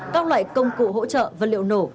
các loại công cụ hỗ trợ vật liệu nổ